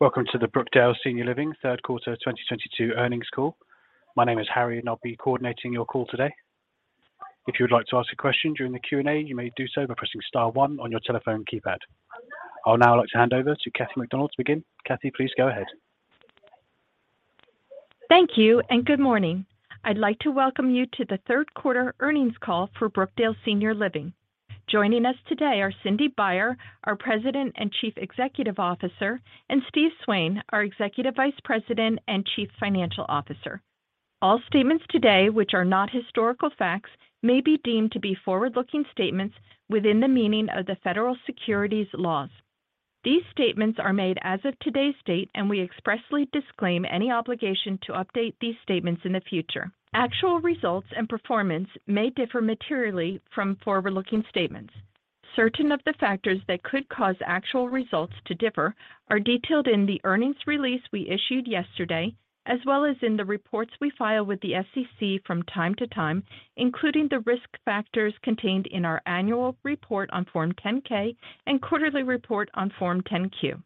Welcome to the Brookdale Senior Living third quarter 2022 earnings call. My name is Harry, and I'll be coordinating your call today. If you would like to ask a question during the Q&A, you may do so by pressing star one on your telephone keypad. I would now like to hand over to Kathy MacDonald to begin. Kathy, please go ahead. Thank you, and good morning. I'd like to welcome you to the third quarter earnings call for Brookdale Senior Living. Joining us today are Cindy Baier, our President and Chief Executive Officer, and Steven Swain, our Executive Vice President and Chief Financial Officer. All statements today which are not historical facts may be deemed to be forward-looking statements within the meaning of the federal securities laws. These statements are made as of today's date, and we expressly disclaim any obligation to update these statements in the future. Actual results and performance may differ materially from forward-looking statements. Certain of the factors that could cause actual results to differ are detailed in the earnings release we issued yesterday, as well as in the reports we file with the SEC from time to time, including the risk factors contained in our annual report on Form 10-K and quarterly report on Form 10-Q.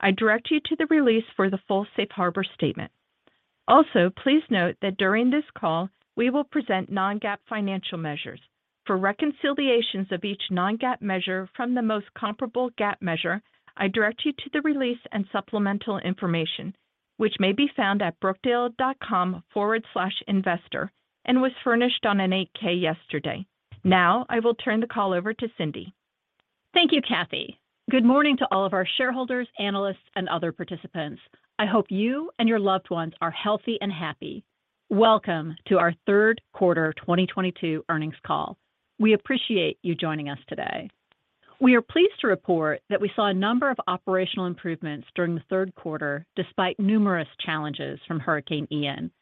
I direct you to the release for the full safe harbor statement. Also, please note that during this call, we will present non-GAAP financial measures. For reconciliations of each non-GAAP measure from the most comparable GAAP measure, I direct you to the release and supplemental information, which may be found at brookdale.com/investor and was furnished on an 8-K yesterday. Now I will turn the call over to Cindy. Thank you, Kathy. Good morning to all of our shareholders, analysts, and other participants. I hope you and your loved ones are healthy and happy. Welcome to our third quarter 2022 earnings call. We appreciate you joining us today. We are pleased to report that we saw a number of operational improvements during the third quarter, despite numerous challenges from Hurricane Ian.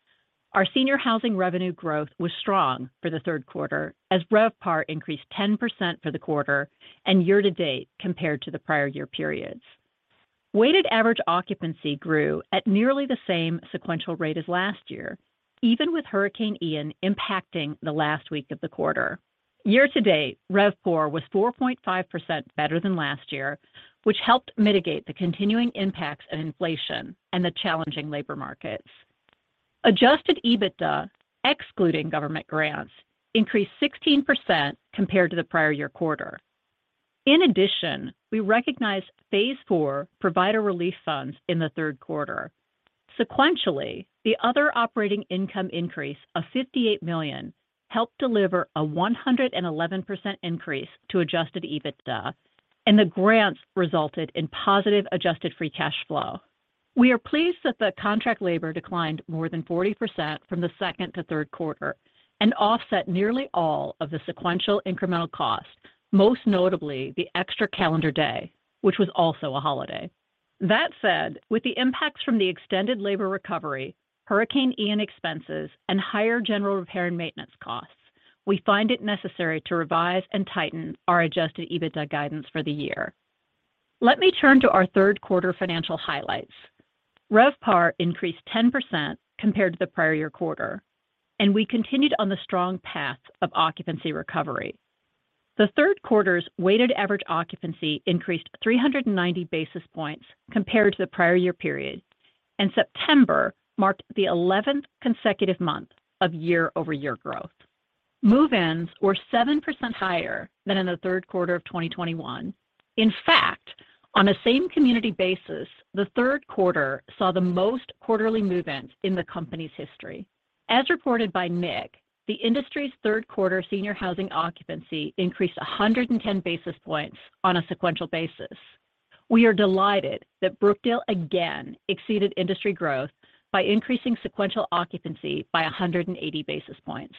Our senior housing revenue growth was strong for the third quarter, as RevPAR increased 10% for the quarter and year to date compared to the prior year periods. Weighted average occupancy grew at nearly the same sequential rate as last year, even with Hurricane Ian impacting the last week of the quarter. Year to date, RevPOR was 4.5% better than last year, which helped mitigate the continuing impacts of inflation and the challenging labor markets. Adjusted EBITDA, excluding government grants, increased 16% compared to the prior year quarter. In addition, we recognized Phase 4 Provider Relief Fund in the third quarter. Sequentially, the other operating income increase of $58 million helped deliver a 111% increase to adjusted EBITDA, and the grants resulted in positive adjusted free cash flow. We are pleased that the contract labor declined more than 40% from the second to third quarter and offset nearly all of the sequential incremental costs, most notably the extra calendar day, which was also a holiday. That said, with the impacts from the extended labor recovery, Hurricane Ian expenses, and higher general repair and maintenance costs, we find it necessary to revise and tighten our adjusted EBITDA guidance for the year. Let me turn to our third quarter financial highlights. RevPAR increased 10% compared to the prior year quarter, and we continued on the strong path of occupancy recovery. The third quarter's weighted average occupancy increased 390 basis points compared to the prior year period, and September marked the 11th consecutive month of year-over-year growth. Move-ins were 7% higher than in the third quarter of 2021. In fact, on a same community basis, the third quarter saw the most quarterly move-ins in the company's history. As reported by NIC, the industry's third quarter senior housing occupancy increased 110 basis points on a sequential basis. We are delighted that Brookdale again exceeded industry growth by increasing sequential occupancy by 180 basis points.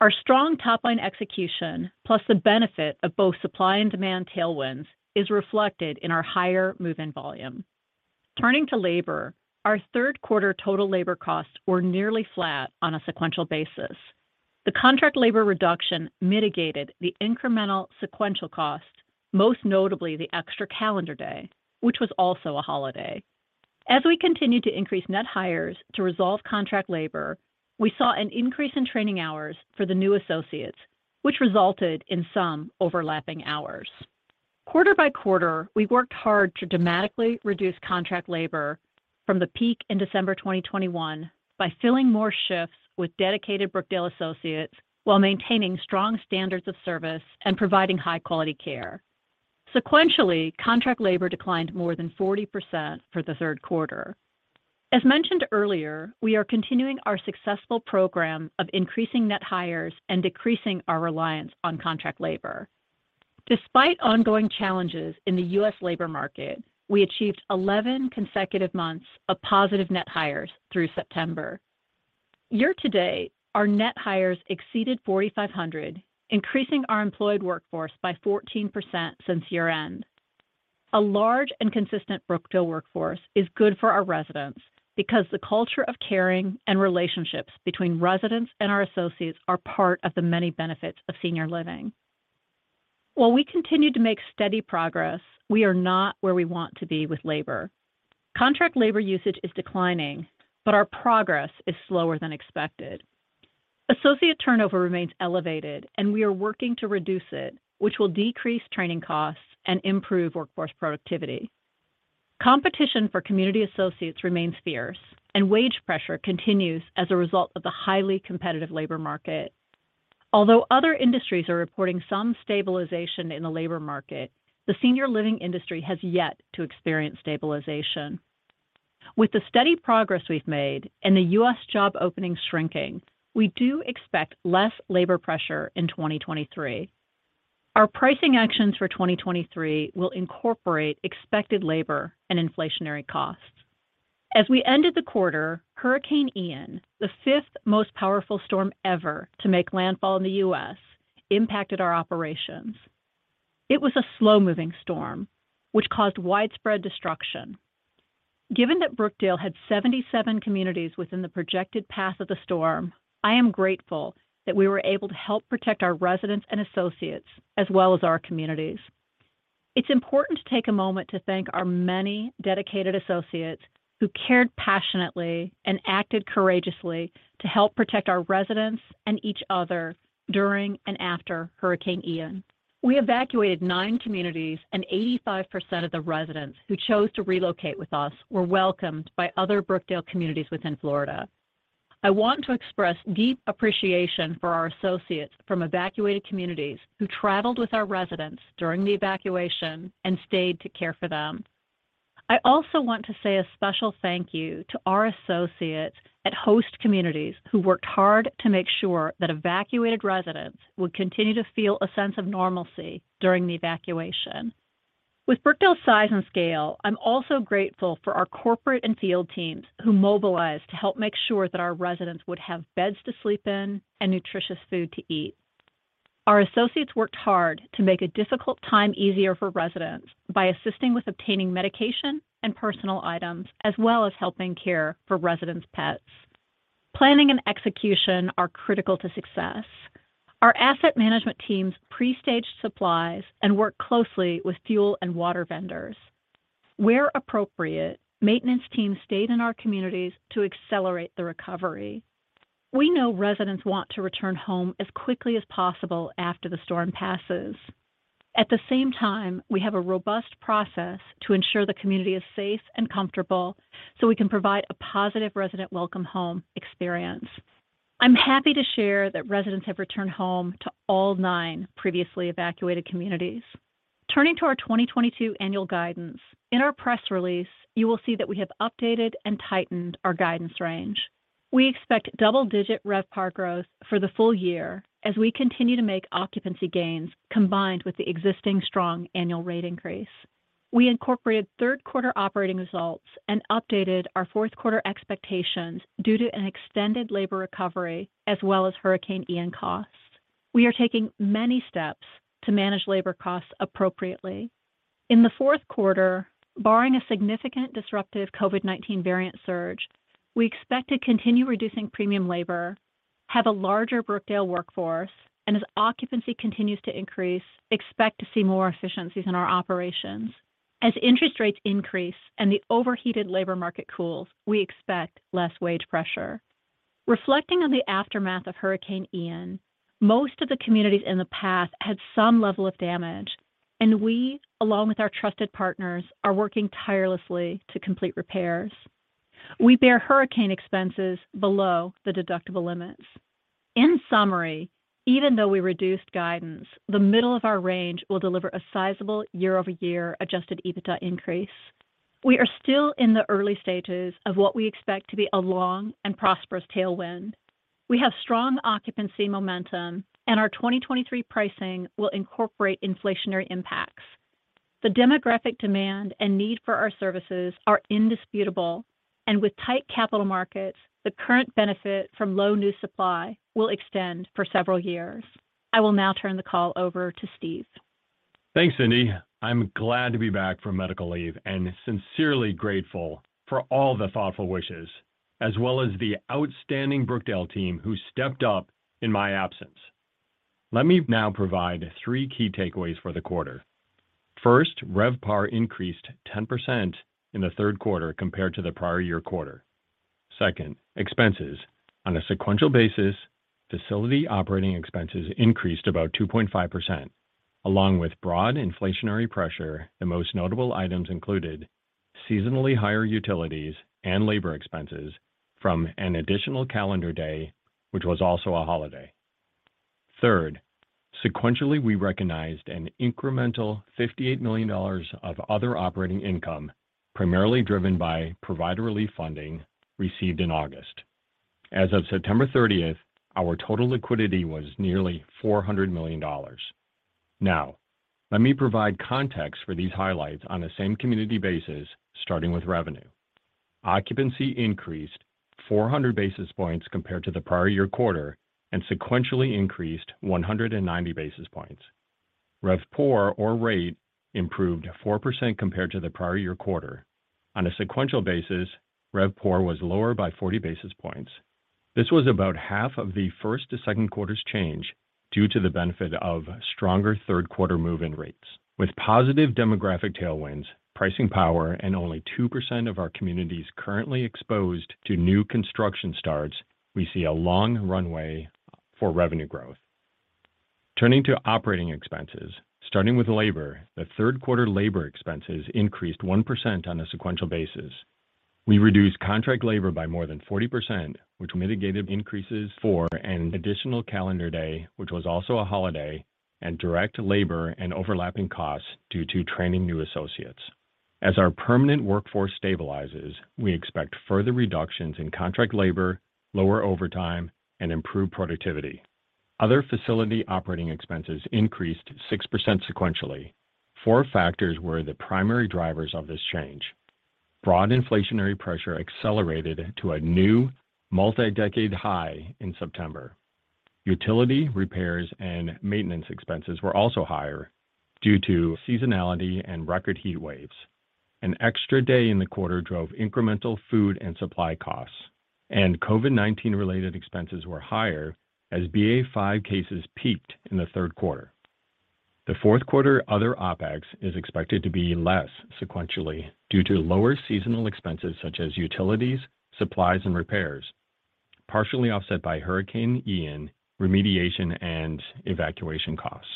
Our strong top-line execution, plus the benefit of both supply and demand tailwinds, is reflected in our higher move-in volume. Turning to labor, our third quarter total labor costs were nearly flat on a sequential basis. The contract labor reduction mitigated the incremental sequential cost, most notably the extra calendar day, which was also a holiday. As we continued to increase net hires to resolve contract labor, we saw an increase in training hours for the new associates, which resulted in some overlapping hours. Quarter by quarter, we worked hard to dramatically reduce contract labor from the peak in December 2021 by filling more shifts with dedicated Brookdale associates while maintaining strong standards of service and providing high-quality care. Sequentially, contract labor declined more than 40% for the third quarter. As mentioned earlier, we are continuing our successful program of increasing net hires and decreasing our reliance on contract labor. Despite ongoing challenges in the U.S. Labor market, we achieved 11 consecutive months of positive net hires through September. Year-to-date, our net hires exceeded 4,500, increasing our employed workforce by 14% since year-end. A large and consistent Brookdale workforce is good for our residents because the culture of caring and relationships between residents and our associates are part of the many benefits of senior living. While we continue to make steady progress, we are not where we want to be with labor. Contract labor usage is declining, but our progress is slower than expected. Associate turnover remains elevated, and we are working to reduce it, which will decrease training costs and improve workforce productivity. Competition for community associates remains fierce, and wage pressure continues as a result of the highly competitive labor market. Although other industries are reporting some stabilization in the labor market, the senior living industry has yet to experience stabilization. With the steady progress we've made and the U.S. job openings shrinking, we do expect less labor pressure in 2023. Our pricing actions for 2023 will incorporate expected labor and inflationary costs. As we ended the quarter, Hurricane Ian, the fifth most powerful storm ever to make landfall in the U.S., impacted our operations. It was a slow-moving storm which caused widespread destruction. Given that Brookdale had 77 communities within the projected path of the storm, I am grateful that we were able to help protect our residents and associates as well as our communities. It's important to take a moment to thank our many dedicated associates who cared passionately and acted courageously to help protect our residents and each other during and after Hurricane Ian. We evacuated 9 communities, and 85% of the residents who chose to relocate with us were welcomed by other Brookdale communities within Florida. I want to express deep appreciation for our associates from evacuated communities who traveled with our residents during the evacuation and stayed to care for them. I also want to say a special thank you to our associates at host communities who worked hard to make sure that evacuated residents would continue to feel a sense of normalcy during the evacuation. With Brookdale's size and scale, I'm also grateful for our corporate and field teams who mobilized to help make sure that our residents would have beds to sleep in and nutritious food to eat. Our associates worked hard to make a difficult time easier for residents by assisting with obtaining medication and personal items, as well as helping care for residents' pets. Planning and execution are critical to success. Our asset management teams pre-staged supplies and worked closely with fuel and water vendors. Where appropriate, maintenance teams stayed in our communities to accelerate the recovery. We know residents want to return home as quickly as possible after the storm passes. At the same time, we have a robust process to ensure the community is safe and comfortable so we can provide a positive resident welcome home experience. I'm happy to share that residents have returned home to all nine previously evacuated communities. Turning to our 2022 annual guidance, in our press release, you will see that we have updated and tightened our guidance range. We expect double-digit RevPAR growth for the full year as we continue to make occupancy gains combined with the existing strong annual rate increase. We incorporated third quarter operating results and updated our fourth quarter expectations due to an extended labor recovery as well as Hurricane Ian costs. We are taking many steps to manage labor costs appropriately. In the fourth quarter, barring a significant disruptive COVID-19 variant surge, we expect to continue reducing premium labor, have a larger Brookdale workforce, and as occupancy continues to increase, expect to see more efficiencies in our operations. As interest rates increase and the overheated labor market cools, we expect less wage pressure. Reflecting on the aftermath of Hurricane Ian, most of the communities in the path had some level of damage, and we, along with our trusted partners, are working tirelessly to complete repairs. We bear hurricane expenses below the deductible limits. In summary, even though we reduced guidance, the middle of our range will deliver a sizable year-over-year adjusted EBITDA increase. We are still in the early stages of what we expect to be a long and prosperous tailwind. We have strong occupancy momentum, and our 2023 pricing will incorporate inflationary impacts. The demographic demand and need for our services are indisputable, and with tight capital markets, the current benefit from low new supply will extend for several years. I will now turn the call over to Steve. Thanks, Cindy. I'm glad to be back from medical leave and sincerely grateful for all the thoughtful wishes, as well as the outstanding Brookdale team who stepped up in my absence. Let me now provide three key takeaways for the quarter. First, RevPAR increased 10% in the third quarter compared to the prior year quarter. Second, expenses. On a sequential basis, facility operating expenses increased about 2.5%. Along with broad inflationary pressure, the most notable items included seasonally higher utilities and labor expenses from an additional calendar day, which was also a holiday. Third, sequentially, we recognized an incremental $58 million of other operating income, primarily driven by Provider Relief Fund received in August. As of September thirtieth, our total liquidity was nearly $400 million. Now, let me provide context for these highlights on a same community basis, starting with revenue. Occupancy increased 400 basis points compared to the prior year quarter and sequentially increased 190 basis points. RevPOR or rate improved 4% compared to the prior year quarter. On a sequential basis, RevPOR was lower by 40 basis points. This was about half of the first to second quarter's change due to the benefit of stronger third quarter move-in rates. With positive demographic tailwinds, pricing power, and only 2% of our communities currently exposed to new construction starts, we see a long runway for revenue growth. Turning to operating expenses. Starting with labor, the third quarter labor expenses increased 1% on a sequential basis. We reduced contract labor by more than 40%, which mitigated increases for an additional calendar day, which was also a holiday, and direct labor and overlapping costs due to training new associates. As our permanent workforce stabilizes, we expect further reductions in contract labor, lower overtime, and improved productivity. Other facility operating expenses increased 6% sequentially. Four factors were the primary drivers of this change. Broad inflationary pressure accelerated to a new multi-decade high in September. Utility repairs and maintenance expenses were also higher due to seasonality and record heat waves. An extra day in the quarter drove incremental food and supply costs, and COVID-19 related expenses were higher as BA.5 cases peaked in the third quarter. The fourth quarter other OpEx is expected to be less sequentially due to lower seasonal expenses such as utilities, supplies, and repairs, partially offset by Hurricane Ian remediation and evacuation costs.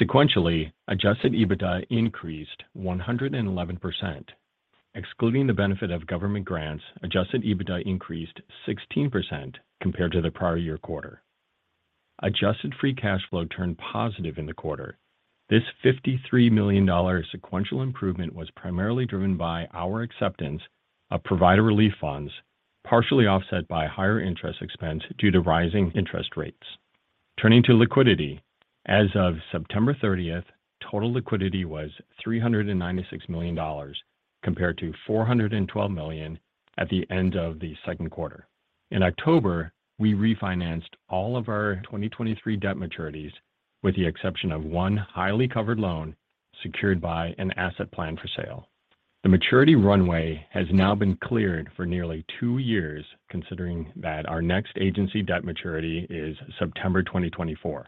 Sequentially, Adjusted EBITDA increased 111%. Excluding the benefit of government grants, Adjusted EBITDA increased 16% compared to the prior year quarter. Adjusted Free Cash Flow turned positive in the quarter. This $53 million sequential improvement was primarily driven by our acceptance of Provider Relief Fund, partially offset by higher interest expense due to rising interest rates. Turning to liquidity. As of September 30, total liquidity was $396 million compared to $412 million at the end of the second quarter. In October, we refinanced all of our 2023 debt maturities with the exception of one highly covered loan secured by an asset plan for sale. The maturity runway has now been cleared for nearly two years, considering that our next agency debt maturity is September 2024.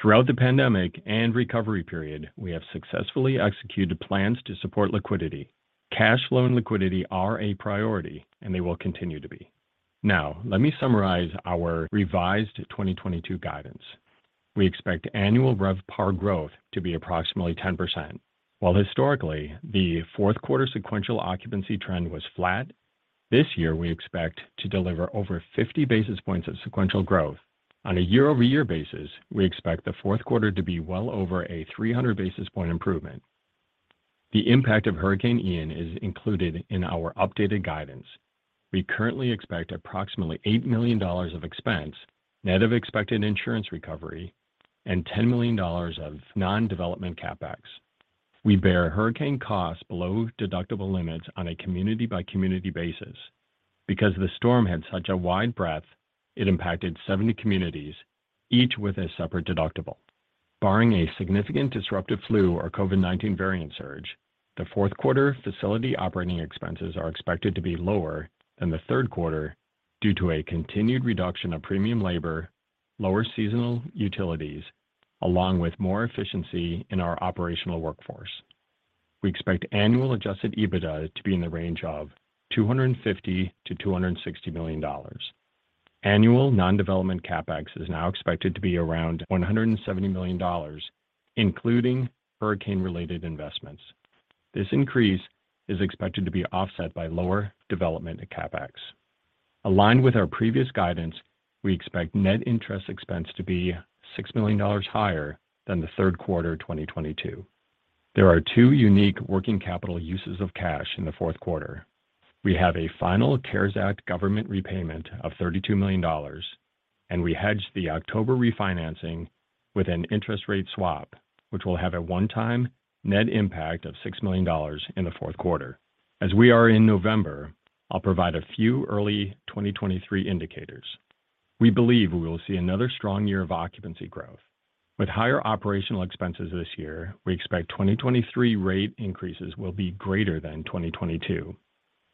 Throughout the pandemic and recovery period, we have successfully executed plans to support liquidity. Cash flow and liquidity are a priority, and they will continue to be. Now, let me summarize our revised 2022 guidance. We expect annual RevPAR growth to be approximately 10%. While historically, the fourth quarter sequential occupancy trend was flat, this year we expect to deliver over 50 basis points of sequential growth. On a year-over-year basis, we expect the fourth quarter to be well over a 300 basis point improvement. The impact of Hurricane Ian is included in our updated guidance. We currently expect approximately $8 million of expense, net of expected insurance recovery, and $10 million of non-development CapEx. We bear hurricane costs below deductible limits on a community by community basis. Because the storm had such a wide breadth, it impacted 70 communities, each with a separate deductible. Barring a significant disruptive flu or COVID-19 variant surge, the fourth quarter facility operating expenses are expected to be lower than the third quarter due to a continued reduction of premium labor, lower seasonal utilities, along with more efficiency in our operational workforce. We expect annual adjusted EBITDA to be in the range of $250 million-$260 million. Annual non-development CapEx is now expected to be around $170 million, including hurricane-related investments. This increase is expected to be offset by lower development CapEx. Aligned with our previous guidance, we expect net interest expense to be $6 million higher than the third quarter 2022. There are two unique working capital uses of cash in the fourth quarter. We have a final CARES Act government repayment of $32 million, and we hedged the October refinancing with an interest rate swap, which will have a one-time net impact of $6 million in the fourth quarter. As we are in November, I'll provide a few early 2023 indicators. We believe we will see another strong year of occupancy growth. With higher operational expenses this year, we expect 2023 rate increases will be greater than 2022.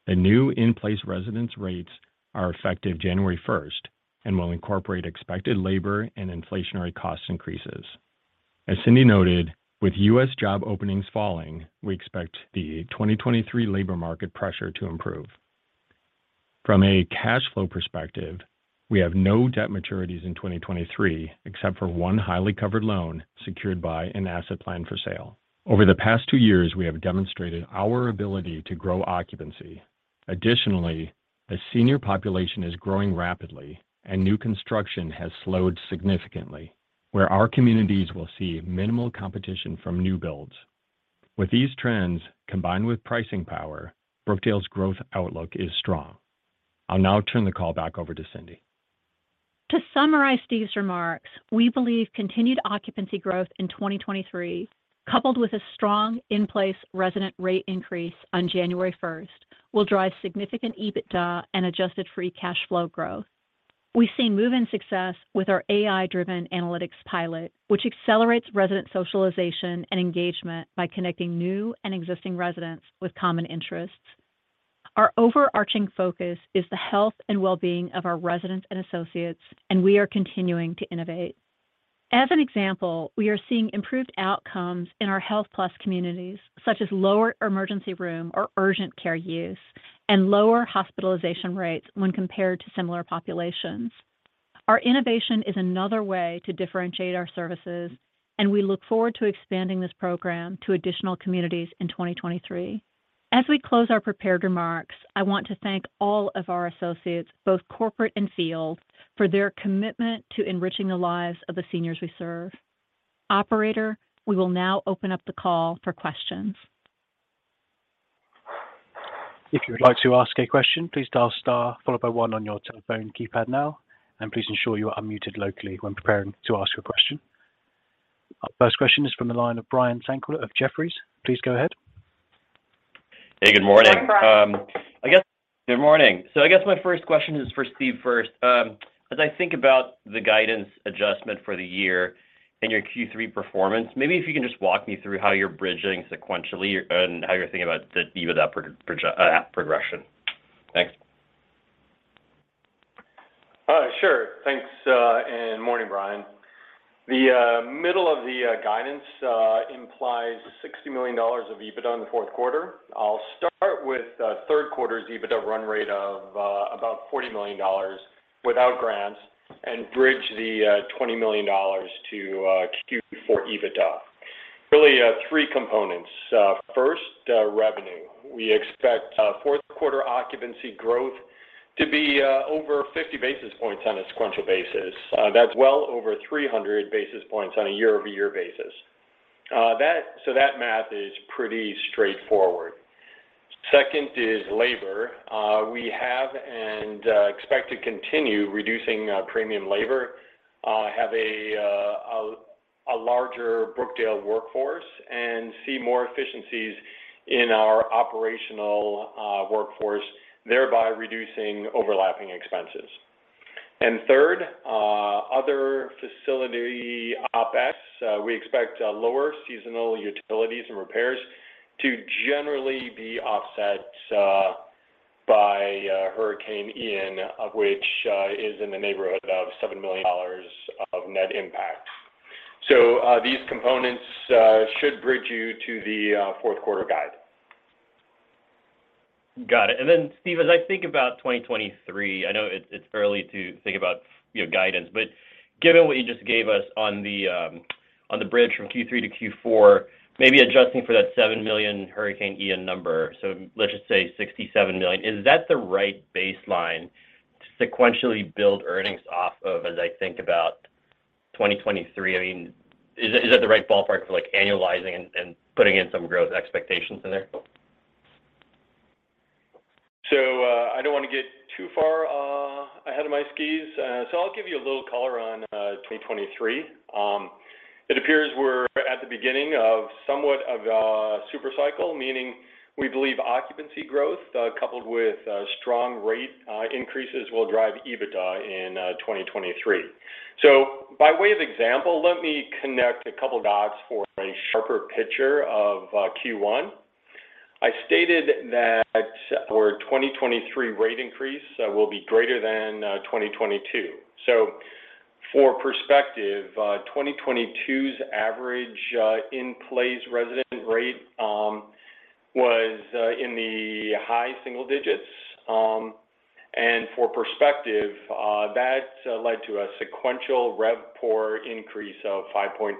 The new in-place residence rates are effective January first and will incorporate expected labor and inflationary cost increases. As Cindy noted, with U.S. job openings falling, we expect the 2023 labor market pressure to improve. From a cash flow perspective, we have no debt maturities in 2023 except for one highly covered loan secured by an asset plan for sale. Over the past two years, we have demonstrated our ability to grow occupancy. Additionally, a senior population is growing rapidly, and new construction has slowed significantly, where our communities will see minimal competition from new builds. With these trends, combined with pricing power, Brookdale's growth outlook is strong. I'll now turn the call back over to Cindy. To summarize Steve's remarks, we believe continued occupancy growth in 2023, coupled with a strong in-place resident rate increase on January first, will drive significant EBITDA and Adjusted Free Cash Flow growth. We've seen move-in success with our AI-driven analytics pilot, which accelerates resident socialization and engagement by connecting new and existing residents with common interests. Our overarching focus is the health and well-being of our residents and associates, and we are continuing to innovate. As an example, we are seeing improved outcomes in our HealthPlus communities, such as lower emergency room or urgent care use and lower hospitalization rates when compared to similar populations. Our innovation is another way to differentiate our services, and we look forward to expanding this program to additional communities in 2023. As we close our prepared remarks, I want to thank all of our associates, both corporate and field, for their commitment to enriching the lives of the seniors we serve. Operator, we will now open up the call for questions. If you would like to ask a question, please dial star followed by one on your telephone keypad now, and please ensure you are unmuted locally when preparing to ask your question. Our first question is from the line of Brian Tanquilut of Jefferies. Please go ahead. Hey, good morning. Good morning, Brian. Good morning. I guess my first question is for Steve first. As I think about the guidance adjustment for the year and your Q3 performance, maybe if you can just walk me through how you're bridging sequentially and how you're thinking about the EBITDA progression. Thanks. Sure. Thanks, and morning, Brian. The middle of the guidance implies $60 million of EBITDA in the fourth quarter. I'll start with third quarter's EBITDA run rate of about $40 million without grants and bridge the $20 million to Q4 EBITDA. Really, three components. First, revenue. We expect fourth quarter occupancy growth to be over 50 basis points on a sequential basis. That's well over 300 basis points on a year-over-year basis. That math is pretty straightforward. Second is labor. We have and expect to continue reducing premium labor, have a larger Brookdale workforce and see more efficiencies in our operational workforce, thereby reducing overlapping expenses. Third, other facility OpEx, we expect lower seasonal utilities and repairs to generally be offset by Hurricane Ian, of which is in the neighborhood of $7 million of net impact. These components should bridge you to the fourth quarter guide. Got it. Then Steve, as I think about 2023, I know it's early to think about, you know, guidance, but given what you just gave us on the bridge from Q3 to Q4, maybe adjusting for that $7 million Hurricane Ian number, so let's just say $67 million, is that the right baseline to sequentially build earnings off of as I think about 2023? I mean, is that the right ballpark for like annualizing and putting in some growth expectations in there? I don't wanna get too far ahead of my skis, so I'll give you a little color on 2023. It appears we're at the beginning of somewhat of a super cycle, meaning we believe occupancy growth coupled with strong rate increases will drive EBITDA in 2023. By way of example, let me connect a couple dots for a sharper picture of Q1. I stated that our 2023 rate increase will be greater than 2022. For perspective, 2022's average in-place resident rate was in the high single digits. For perspective, that led to a sequential RevPOR increase of 5.4%.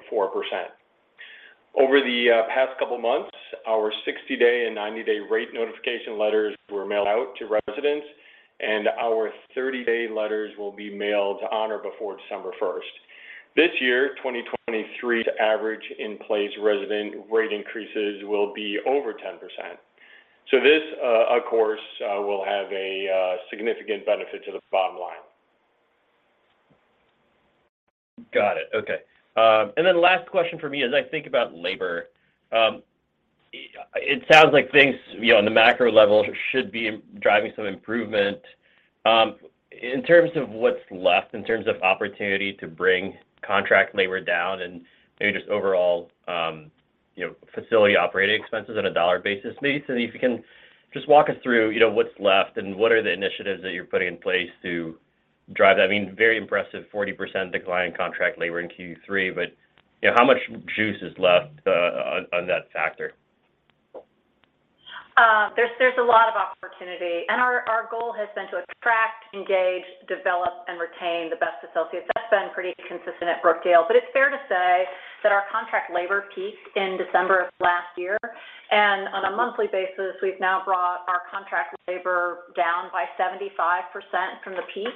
Over the past couple of months, our 60-day and 90-day rate notification letters were mailed out to residents, and our 30-day letters will be mailed out on or before December 1. This year, 2023's average in place resident rate increases will be over 10%. This, of course, will have a significant benefit to the bottom line. Got it. Okay. Last question for me. As I think about labor, it sounds like things, you know, on the macro level should be driving some improvement. In terms of what's left in terms of opportunity to bring contract labor down and maybe just overall, you know, facility operating expenses on a dollar basis, maybe, Steve, if you can just walk us through, you know, what's left and what are the initiatives that you're putting in place to drive. I mean, very impressive 40% decline contract labor in Q3, but, you know, how much juice is left on that factor? There's a lot of opportunity. Our goal has been to attract, engage, develop, and retain the best associates. That's been pretty consistent at Brookdale. It's fair to say that our contract labor peaked in December of last year. On a monthly basis, we've now brought our contract labor down by 75% from the peak.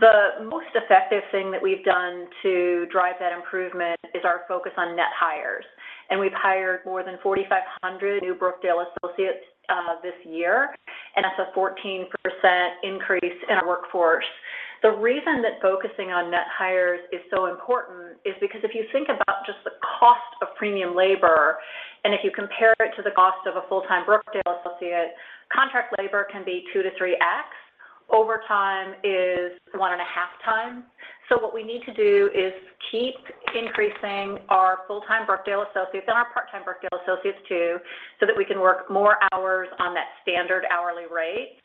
The most effective thing that we've done to drive that improvement is our focus on net hires. We've hired more than 4,500 new Brookdale associates this year, and that's a 14% increase in our workforce. The reason that focusing on net hires is so important is because if you think about just the cost of premium labor, and if you compare it to the cost of a full-time Brookdale associate, contract labor can be 2-3x. Overtime is 1.5 times. What we need to do is keep increasing our full-time Brookdale associates and our part-time Brookdale associates too, so that we can work more hours on that standard hourly rate.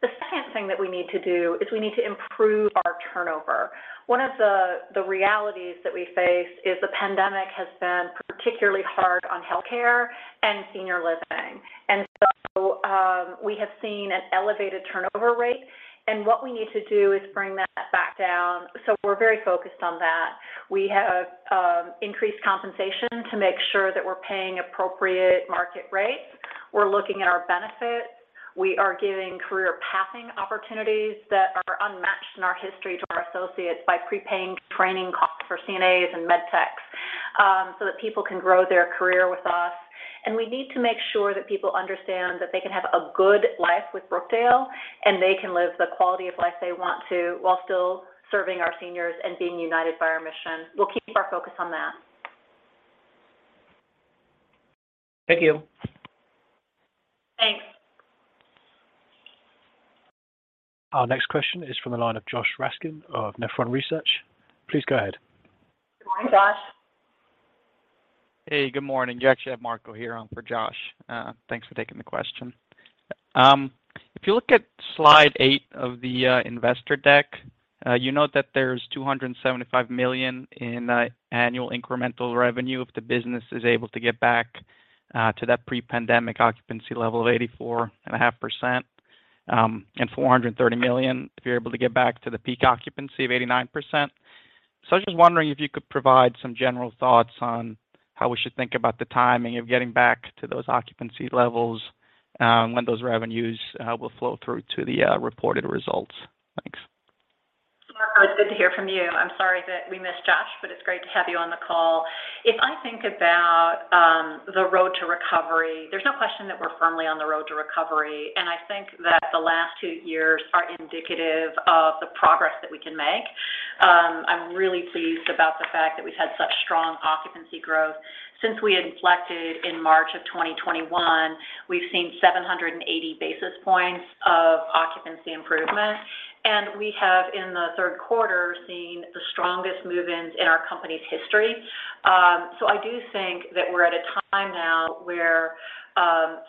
The second thing that we need to do is we need to improve our turnover. One of the realities that we face is the pandemic has been particularly hard on healthcare and senior living. We have seen an elevated turnover rate, and what we need to do is bring that back down. We're very focused on that. We have increased compensation to make sure that we're paying appropriate market rates. We're looking at our benefits. We are giving career pathing opportunities that are unmatched in our history to our associates by prepaying training costs for CNAs and med techs, so that people can grow their career with us. We need to make sure that people understand that they can have a good life with Brookdale, and they can live the quality of life they want to while still serving our seniors and being united by our mission. We'll keep our focus on that. Thank you. Thanks. Our next question is from the line of Josh Raskin of Nephron Research. Please go ahead. Good morning, Josh. Hey, good morning. Josh, you have Marco here on for Josh. Thanks for taking the question. If you look at slide 8 of the investor deck, you note that there's $275 million in annual incremental revenue if the business is able to get back to that pre-pandemic occupancy level of 84.5%, and $430 million if you're able to get back to the peak occupancy of 89%. I'm just wondering if you could provide some general thoughts on how we should think about the timing of getting back to those occupancy levels, when those revenues will flow through to the reported results. Thanks. Marco, it's good to hear from you. I'm sorry that we missed Josh, but it's great to have you on the call. If I think about the road to recovery, there's no question that we're firmly on the road to recovery, and I think that the last two years are indicative of the progress that we can make. I'm really pleased about the fact that we've had such strong occupancy growth. Since we inflected in March of 2021, we've seen 780 basis points of occupancy improvement. We have, in the third quarter, seen the strongest move-ins in our company's history. I do think that we're at a time now where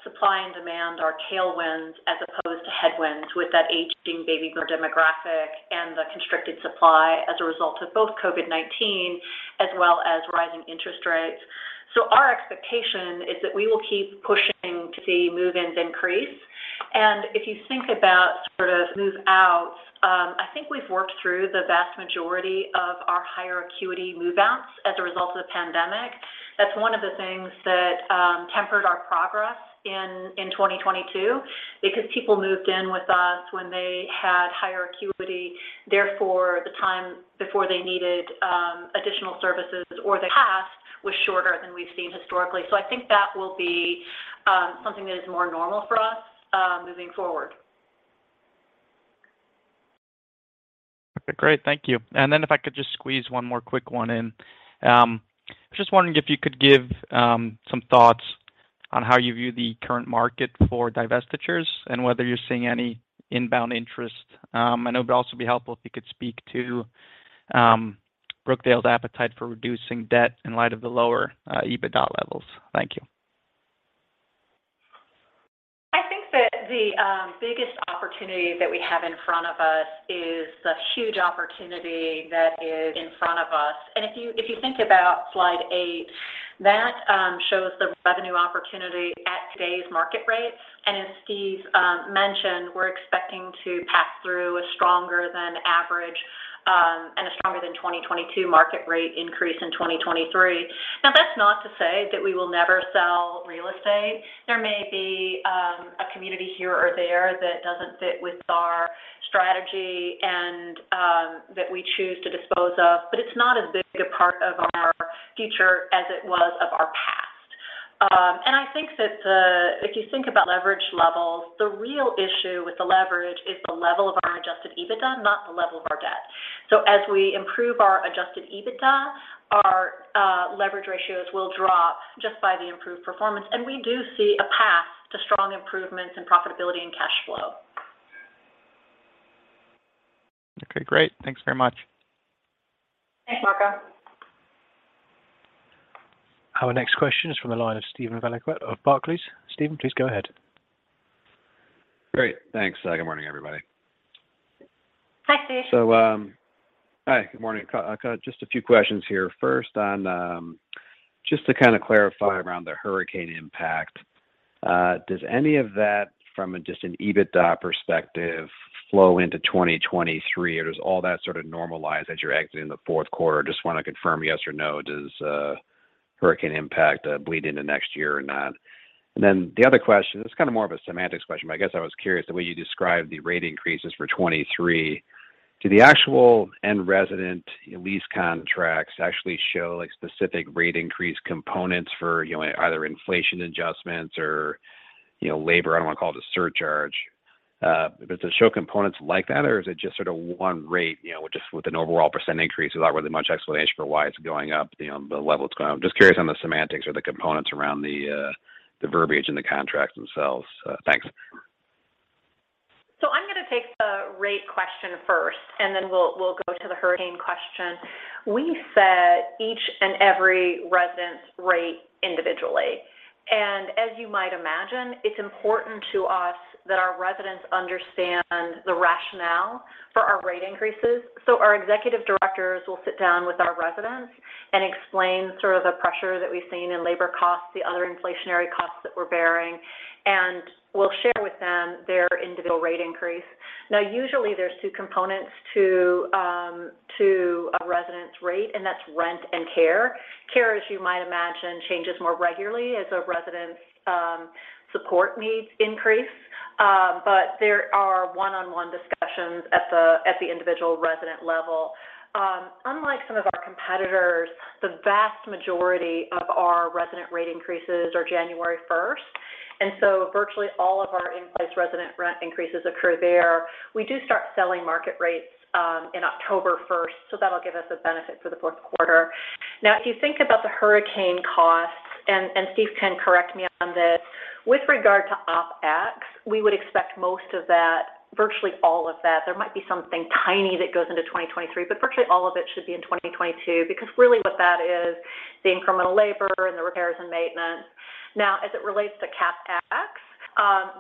supply and demand are tailwinds as opposed to headwinds with that aging baby boomer demographic and the constricted supply as a result of both COVID-19 as well as rising interest rates. Our expectation is that we will keep pushing to see move-ins increase. If you think about sort of move-outs, I think we've worked through the vast majority of our higher acuity move-outs as a result of the pandemic. That's one of the things that tempered our progress in 2022 because people moved in with us when they had higher acuity. Therefore, the time before they needed additional services or to pass was shorter than we've seen historically. I think that will be something that is more normal for us moving forward. Okay. Great. Thank you. If I could just squeeze one more quick one in. I was just wondering if you could give some thoughts on how you view the current market for divestitures and whether you're seeing any inbound interest. I know it'd also be helpful if you could speak to Brookdale's appetite for reducing debt in light of the lower EBITDA levels. Thank you. I think that the biggest opportunity that we have in front of us is the huge opportunity that is in front of us. If you think about slide 8, that shows the revenue opportunity at today's market rates. As Steve mentioned, we're expecting to pass through a stronger than average and a stronger than 2022 market rate increase in 2023. Now, that's not to say that we will never sell real estate. There may be a community here or there that doesn't fit with our strategy and that we choose to dispose of, but it's not as big a part of our future as it was of our past. I think that, if you think about leverage levels, the real issue with the leverage is the level of our Adjusted EBITDA, not the level of our debt. As we improve our Adjusted EBITDA, our leverage ratios will drop just by the improved performance. We do see a path to strong improvements in profitability and cash flow. Okay. Great. Thanks very much. Thanks, Marco. Our next question is from the line of Steven Valiquette of Barclays. Steven, please go ahead. Great. Thanks. Good morning, everybody. Hi, Steve. Hi. Good morning. I got just a few questions here. First, on just to kind of clarify around the hurricane impact, does any of that from just an EBITDA perspective flow into 2023, or does all that sort of normalize as you're exiting the fourth quarter? Just wanna confirm yes or no, does hurricane impact bleed into next year or not? And then the other question, this is kind of more of a semantics question, but I guess I was curious the way you described the rate increases for 2023. Do the actual in-resident lease contracts actually show, like, specific rate increase components for, you know, either inflation adjustments or, you know, labor, I don't want to call it a surcharge. Does it show components like that, or is it just sort of one rate, you know, just with an overall % increase without really much explanation for why it's going up, you know, the level it's going up? Just curious on the semantics or the components around the verbiage and the contracts themselves. Thanks. Take the rate question first, and then we'll go to the hurricane question. We set each and every resident's rate individually. As you might imagine, it's important to us that our residents understand the rationale for our rate increases. Our executive directors will sit down with our residents and explain sort of the pressure that we've seen in labor costs, the other inflationary costs that we're bearing, and we'll share with them their individual rate increase. Now, usually there's two components to a resident's rate, and that's rent and care. Care, as you might imagine, changes more regularly as a resident's support needs increase. There are one-on-one discussions at the individual resident level. Unlike some of our competitors, the vast majority of our resident rate increases are January 1, and so virtually all of our in-place resident rent increases occur there. We do start selling market rates in October 1, so that'll give us a benefit for the fourth quarter. Now, if you think about the hurricane costs, and Steve can correct me on this, with regard to OpEx, we would expect most of that, virtually all of that, there might be something tiny that goes into 2023, but virtually all of it should be in 2022, because really what that is the incremental labor and the repairs and maintenance. Now, as it relates to CapEx,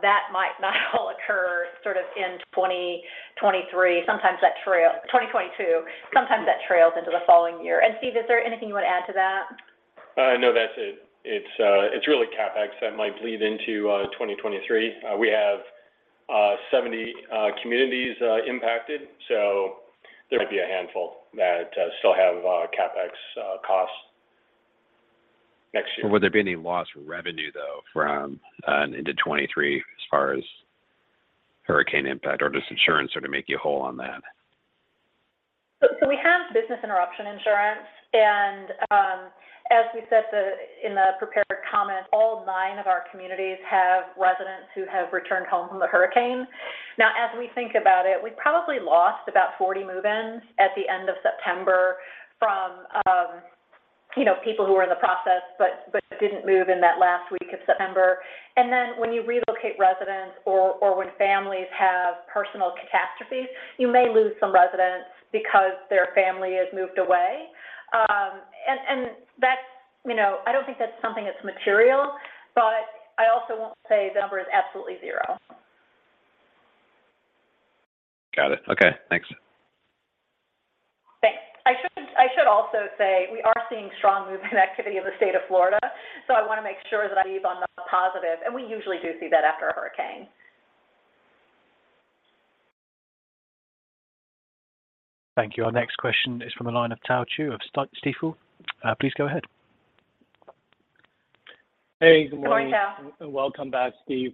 that might not all occur sort of in 2023. Sometimes that trails into the following year. Steve, is there anything you want to add to that? No, that's it. It's really CapEx that might bleed into 2023. We have 70 communities impacted, so there might be a handful that still have CapEx costs next year. Would there be any loss of revenue, though, from into 2023 as far as hurricane impact, or does insurance sort of make you whole on that? We have business interruption insurance. As we said in the prepared comments, all 9 of our communities have residents who have returned home from the hurricane. Now, as we think about it, we probably lost about 40 move-ins at the end of September from people who were in the process but didn't move in that last week of September. When you relocate residents or when families have personal catastrophes, you may lose some residents because their family has moved away. That's something that's material, but I also won't say the number is absolutely zero. Got it. Okay. Thanks. Thanks. I should also say we are seeing strong move-in activity in the state of Florida, so I wanna make sure that I leave on the positive, and we usually do see that after a hurricane. Thank you. Our next question is from the line of Tao Qiu of Stifel. Please go ahead. Hey, good morning. Good morning, Tao. Welcome back, Steve.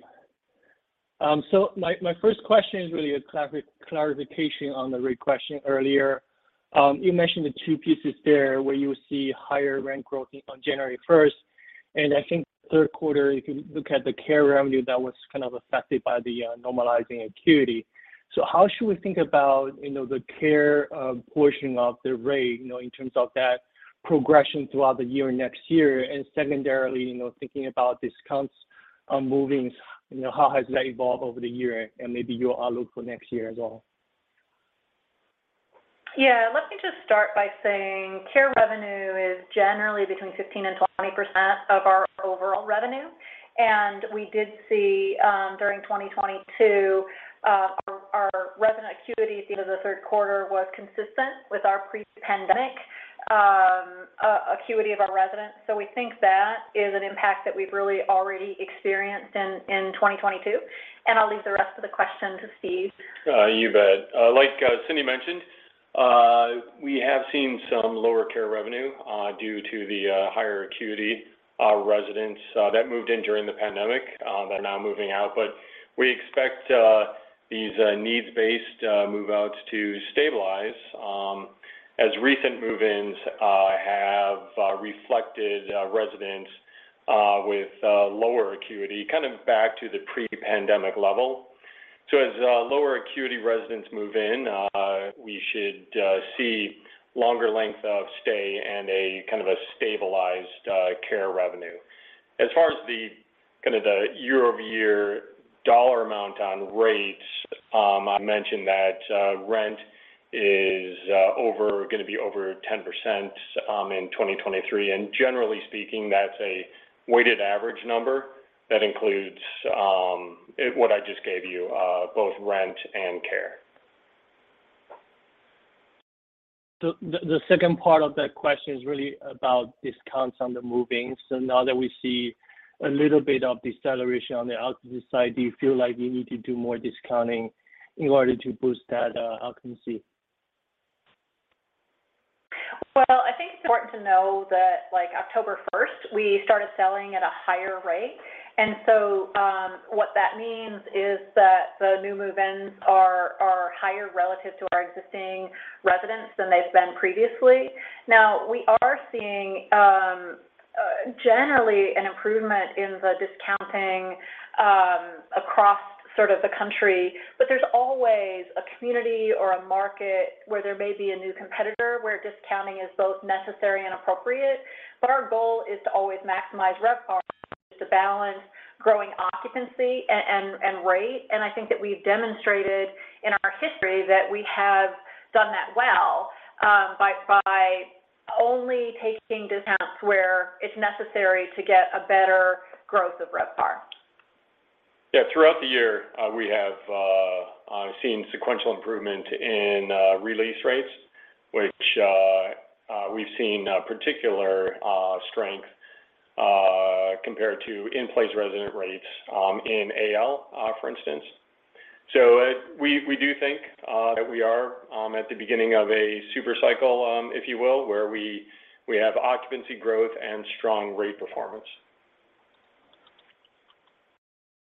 My first question is really a clarification on the rate question earlier. You mentioned the two pieces there where you see higher rent growth on January first, and I think third quarter, if you look at the care revenue, that was kind of affected by the normalizing acuity. How should we think about, you know, the care portion of the rate, you know, in terms of that progression throughout the year next year? And secondarily, you know, thinking about discounts on move-ins, you know, how has that evolved over the year and maybe your outlook for next year as well? Yeah. Let me just start by saying care revenue is generally between 15% and 20% of our overall revenue. We did see, during 2022, our resident acuity through the third quarter was consistent with our pre-pandemic acuity of our residents. We think that is an impact that we've really already experienced in 2022. I'll leave the rest of the question to Steve. You bet. Like, Cindy mentioned, we have seen some lower care revenue due to the higher acuity residents that moved in during the pandemic that are now moving out. We expect these needs-based move-outs to stabilize as recent move-ins have reflected residents with lower acuity, kind of back to the pre-pandemic level. As lower acuity residents move in, we should see longer length of stay and a kind of a stabilized care revenue. As far as the kind of the year-over-year dollar amount on rates, I mentioned that rent is gonna be over 10% in 2023. Generally speaking, that's a weighted average number that includes what I just gave you, both rent and care. The second part of that question is really about discounts on the move-ins. Now that we see a little bit of deceleration on the occupancy side, do you feel like you need to do more discounting in order to boost that occupancy? Well, I think it's important to know that, like, October first, we started selling at a higher rate. What that means is that the new move-ins are higher relative to our existing residents than they've been previously. Now, we are seeing generally an improvement in the discounting across sort of the country. There's always a community or a market where there may be a new competitor, where discounting is both necessary and appropriate. Our goal is to always maximize RevPAR to balance growing occupancy and rate. I think that we've demonstrated in our history that we have done that well by only taking discounts where it's necessary to get a better growth of RevPAR. Yeah, throughout the year, we have seen sequential improvement in re-lease rates, which we've seen particular strength compared to in-place resident rates, in AL, for instance. We do think that we are at the beginning of a super cycle, if you will, where we have occupancy growth and strong rate performance.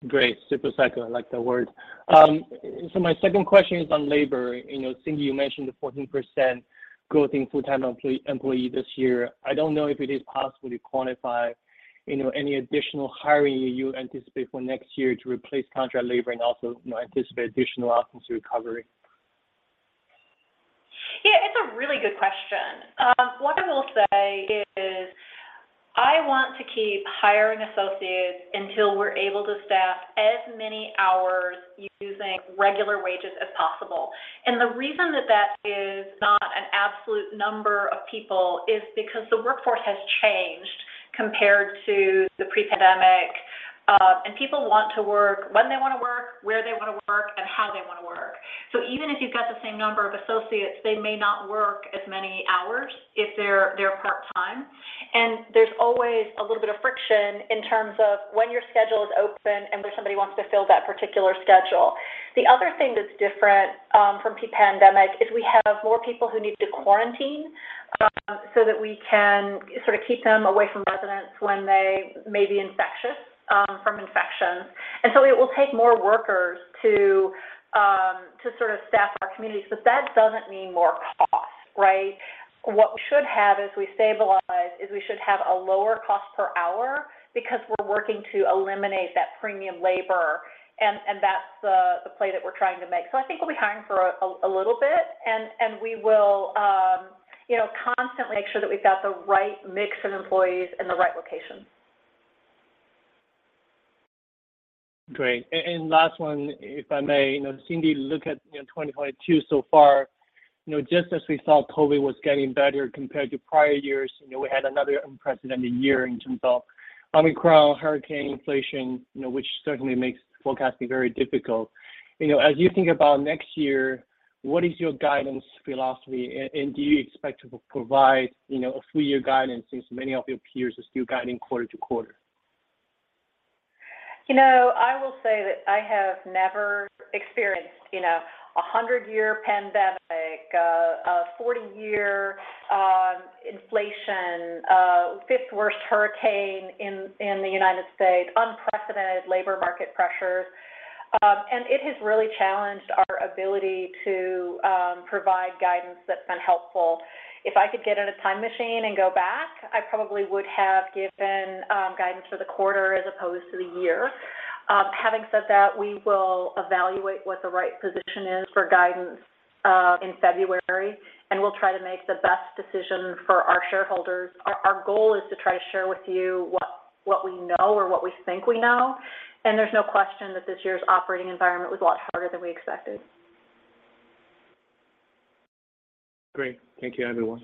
Great. Super cycle, I like that word. My second question is on labor. You know, Cindy, you mentioned the 14% growth in full-time employee this year. I don't know if it is possible to quantify, you know, any additional hiring you anticipate for next year to replace contract labor and also, you know, anticipate additional occupancy recovery. Yeah, it's a really good question. What I will say is I want to keep hiring associates until we're able to staff as many hours using regular wages as possible. The reason that is not an absolute number of people is because the workforce has changed compared to the pre-pandemic. People want to work when they wanna work, where they wanna work, and how they wanna work. Even if you've got the same number of associates, they may not work as many hours if they're part-time. There's always a little bit of friction in terms of when your schedule is open and where somebody wants to fill that particular schedule. The other thing that's different from pre-pandemic is we have more people who need to quarantine, so that we can sort of keep them away from residents when they may be infectious from infections. It will take more workers to sort of staff our communities. That doesn't mean more costs, right? What we should have as we stabilize is we should have a lower cost per hour because we're working to eliminate that premium labor, and that's the play that we're trying to make. I think we'll be hiring for a little bit, and we will, you know, constantly make sure that we've got the right mix of employees in the right locations. Great. Last one, if I may. You know, Cindy, look at, you know, 2022 so far, you know, just as we thought COVID was getting better compared to prior years, you know, we had another unprecedented year in terms of Omicron, hurricane, inflation, you know, which certainly makes forecasting very difficult. You know, as you think about next year, what is your guidance philosophy? Do you expect to provide, you know, a three-year guidance since many of your peers are still guiding quarter to quarter? You know, I will say that I have never experienced, you know, a 100-year pandemic, a 40-year inflation, fifth worst hurricane in the United States, unprecedented labor market pressures. It has really challenged our ability to provide guidance that's been helpful. If I could get in a time machine and go back, I probably would have given guidance for the quarter as opposed to the year. Having said that, we will evaluate what the right position is for guidance in February, and we'll try to make the best decision for our shareholders. Our goal is to try to share with you what we know or what we think we know, and there's no question that this year's operating environment was a lot harder than we expected. Great. Thank you, everyone.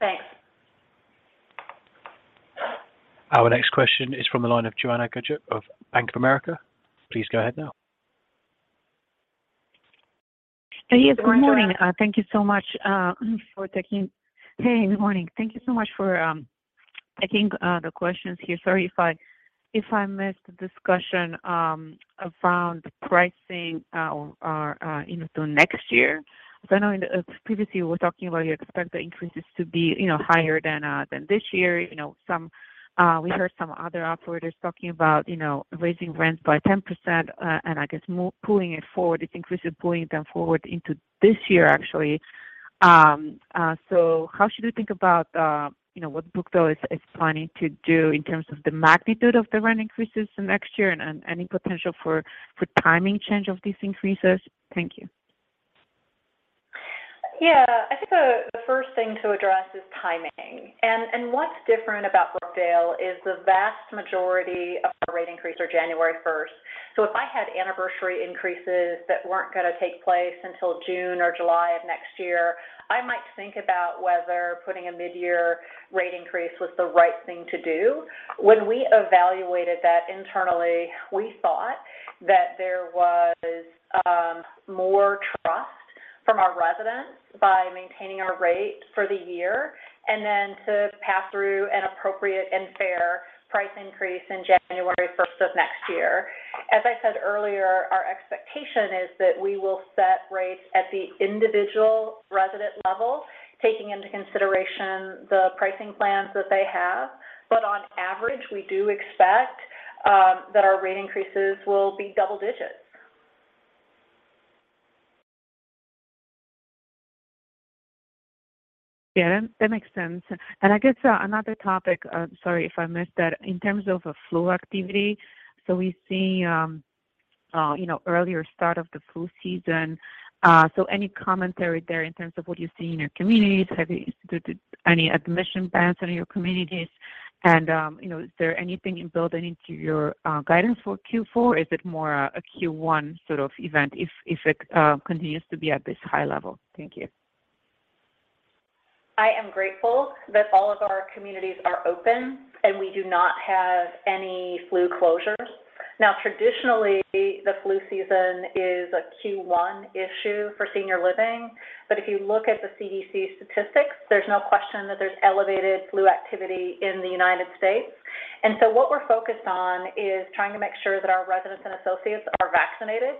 Thanks. Our next question is from the line of Joanna Gajuk of Bank of America. Please go ahead now. Yes. Good morning. Thank you so much for taking the questions here. Sorry if I missed the discussion around the pricing or into next year. 'Cause I know in previous you were talking about you expect the increases to be, you know, higher than this year. You know, we heard some other operators talking about, you know, raising rents by 10%, and I guess more pulling it forward. I think we should pull them forward into this year actually. How should we think about, you know, what Brookdale is planning to do in terms of the magnitude of the rent increases next year and any potential for timing change of these increases? Thank you. Yeah. I think the first thing to address is timing. What's different about Brookdale is the vast majority of our rate increase are January first. If I had anniversary increases that weren't gonna take place until June or July of next year, I might think about whether putting a midyear rate increase was the right thing to do. When we evaluated that internally, we thought that there was more trust from our residents by maintaining our rate for the year and then to pass through an appropriate and fair price increase in January first of next year. As I said earlier, our expectation is that we will set rates at the individual resident level, taking into consideration the pricing plans that they have. On average, we do expect that our rate increases will be double digits. Yeah. That makes sense. I guess another topic, sorry if I missed that, in terms of flu activity. You know, earlier start of the flu season. Any commentary there in terms of what you see in your communities? Did any admission bans in your communities? You know, is there anything in building into your guidance for Q4? Is it more a Q1 sort of event if it continues to be at this high level? Thank you. I am grateful that all of our communities are open, and we do not have any flu closures. Now, traditionally, the flu season is a Q1 issue for senior living. If you look at the CDC statistics, there's no question that there's elevated flu activity in the United States. What we're focused on is trying to make sure that our residents and associates are vaccinated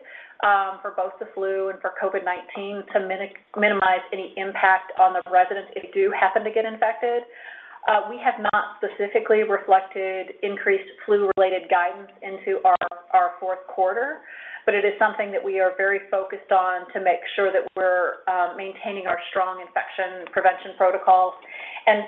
for both the flu and for COVID-19 to minimize any impact on the residents if they do happen to get infected. We have not specifically reflected increased flu-related guidance into our fourth quarter, but it is something that we are very focused on to make sure that we're maintaining our strong infection prevention protocols.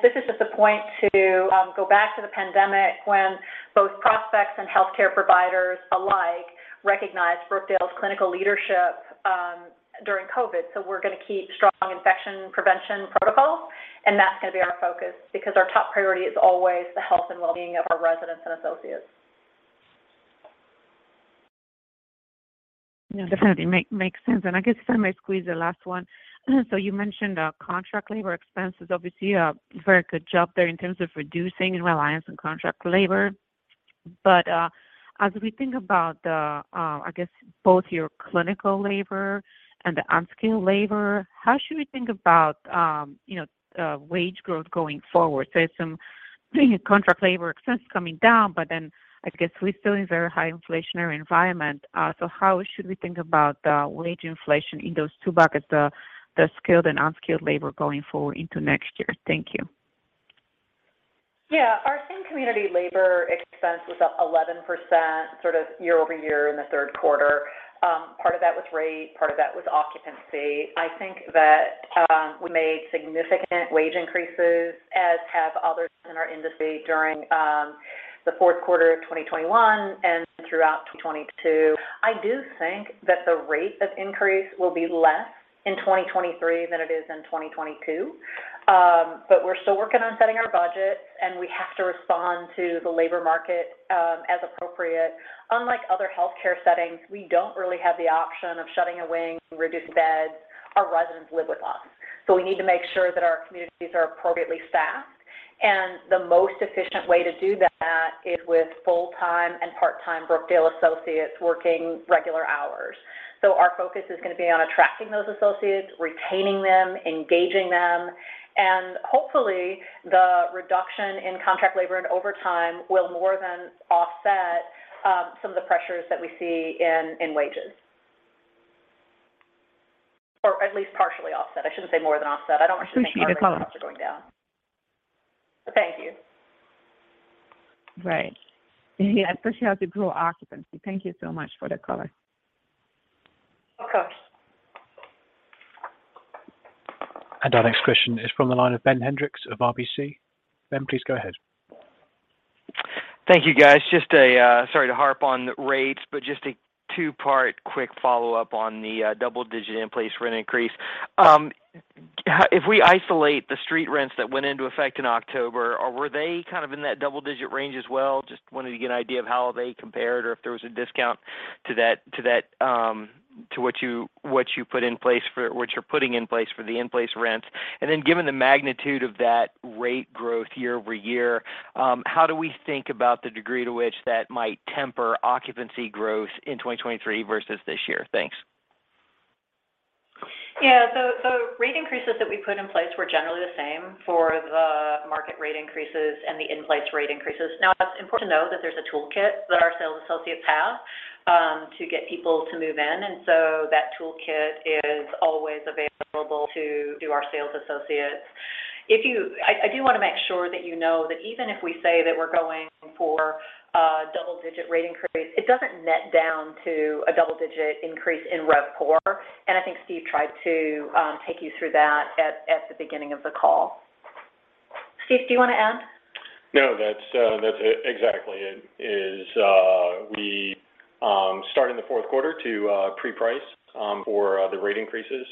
This is just a point to go back to the pandemic when both prospects and healthcare providers alike recognized Brookdale's clinical leadership during COVID. We're gonna keep strong infection prevention protocols, and that's gonna be our focus because our top priority is always the health and well-being of our residents and associates. No, definitely. Makes sense. I guess I might squeeze the last one. You mentioned contract labor expenses, obviously a very good job there in terms of reducing reliance on contract labor. As we think about the I guess both your clinical labor and the unskilled labor, how should we think about you know wage growth going forward? Some contract labor expense coming down, but then I guess we're still in very high inflationary environment. How should we think about wage inflation in those two buckets, the skilled and unskilled labor going forward into next year? Thank you. Yeah. Our same community labor expense was up 11% sort of year-over-year in the third quarter. Part of that was rate, part of that was occupancy. I think that we made significant wage increases, as have others in our industry during the fourth quarter of 2021 and throughout 2022. I do think that the rate of increase will be less in 2023 than it is in 2022. But we're still working on setting our budgets, and we have to respond to the labor market as appropriate. Unlike other healthcare settings, we don't really have the option of shutting a wing to reduce beds. Our residents live with us. So we need to make sure that our communities are appropriately staffed. The most efficient way to do that is with full-time and part-time Brookdale associates working regular hours. Our focus is gonna be on attracting those associates, retaining them, engaging them, and hopefully the reduction in contract labor and overtime will more than offset some of the pressures that we see in wages. At least partially offset. I shouldn't say more than offset. I don't want you to think our costs are going down. Appreciate the color. Thank you. Right. Yeah, especially as you grow occupancy. Thank you so much for the color. Welcome. Our next question is from the line of Ben Hendrix of RBC. Ben, please go ahead. Thank you, guys. Just a sorry to harp on rates, but just a two-part quick follow-up on the double-digit in-place rent increase. How, if we isolate the street rents that went into effect in October, or were they kind of in that double-digit range as well? Just wanted to get an idea of how they compared or if there was a discount to that, to what you put in place for what you're putting in place for the in-place rents. Given the magnitude of that rate growth year-over-year, how do we think about the degree to which that might temper occupancy growth in 2023 versus this year? Thanks. Yeah. The rate increases that we put in place were generally the same for the market rate increases and the in-place rate increases. Now, it's important to know that there's a toolkit that our sales associates have to get people to move in. That toolkit is always available to our sales associates. I do wanna make sure that you know that even if we say that we're going for a double-digit rate increase, it doesn't net down to a double-digit increase in RevPOR. I think Steve tried to take you through that at the beginning of the call. Steve, do you wanna add? No, that's it. Exactly. It is, we start in the fourth quarter to pre-price for the rate increases.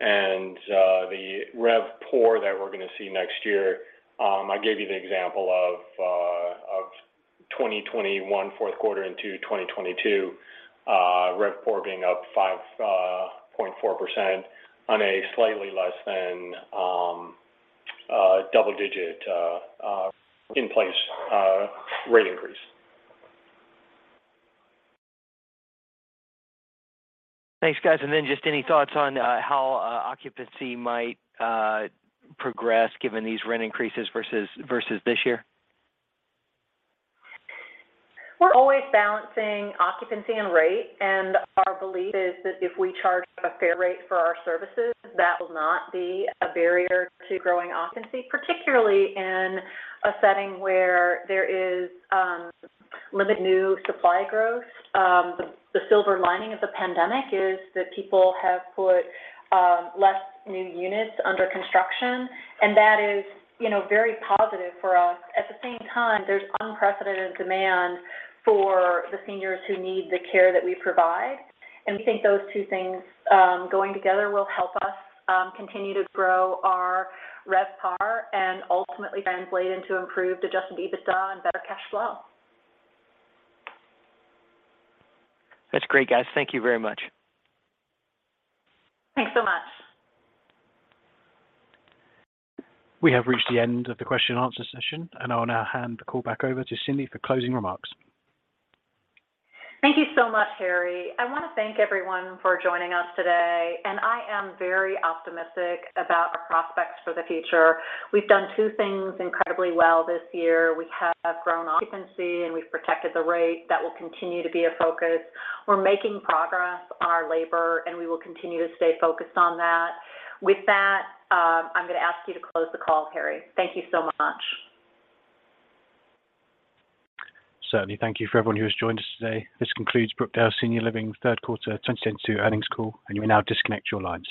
The RevPOR that we're gonna see next year, I gave you the example of 2021 fourth quarter into 2022, RevPOR being up 5.4% on a slightly less than double-digit in-place rate increase. Thanks, guys. Just any thoughts on how occupancy might progress given these rent increases versus this year? We're always balancing occupancy and rate, and our belief is that if we charge a fair rate for our services, that will not be a barrier to growing occupancy, particularly in a setting where there is limited new supply growth. The silver lining of the pandemic is that people have put less new units under construction, and that is, you know, very positive for us. At the same time, there's unprecedented demand for the seniors who need the care that we provide. We think those two things going together will help us continue to grow our RevPAR and ultimately translate into improved Adjusted EBITDA and better cash flow. That's great, guys. Thank you very much. Thanks so much. We have reached the end of the question and answer session, and I'll now hand the call back over to Cindy for closing remarks. Thank you so much, Harry. I wanna thank everyone for joining us today, and I am very optimistic about our prospects for the future. We've done two things incredibly well this year. We have grown occupancy, and we've protected the rate. That will continue to be a focus. We're making progress on our labor, and we will continue to stay focused on that. With that, I'm gonna ask you to close the call, Harry. Thank you so much. Certainly. Thank you for everyone who has joined us today. This concludes Brookdale Senior Living Third Quarter 2022 Earnings Call, and you may now disconnect your lines.